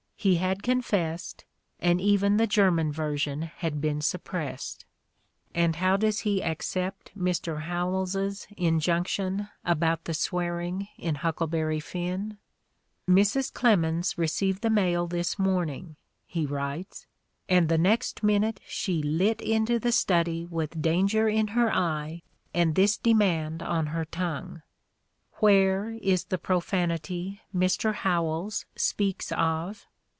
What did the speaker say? He had confessed, and even the German version had been suppressed." And how does he accept Mr. Howells 's injunction about the "swearing" in "Huckle berry Finn"? "Mrs. Clemens received the mail this morning," he writes, "and the next minute she lit into the study with danger in her eye and this demand on her tongue, 'Where is the profanity Mr. Howells speaks of?'